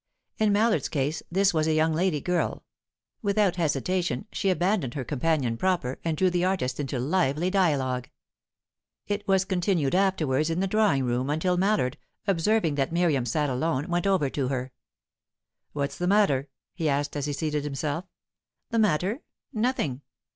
In Mallard's case this was a young lady girl; without hesitation, she abandoned her companion proper, and drew the artist into lively dialogue. It was continued afterwards in the drawing room, until Mallard, observing that Miriam sat alone, went over to her. "What's the matter?" he asked, as he seated himself. "The matter? Nothing."